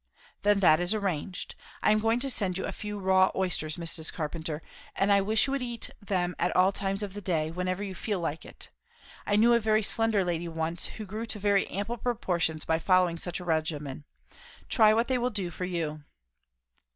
"Then that is arranged. I am going to send you a few raw oysters, Mrs. Carpenter; and I wish you would eat them at all times of day, whenever you feel like it. I knew a very slender lady once, who grew to very ample proportions by following such a regimen. Try what they will do for you."